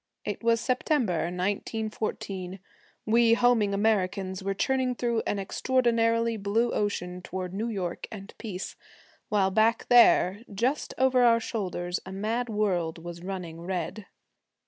It was September, 1914. We homing Americans were churning through an extraordinarily blue ocean toward New York and peace, while back there, just over our shoulders, a mad world was running red.